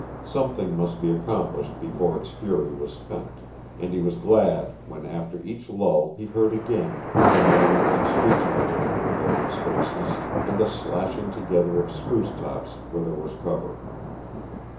Something must be accomplished before its fury was spent; and he was glad when after each lull he heard again the moaning and screeching of it over the open spaces, and the slashing together of spruce tops where there was cover.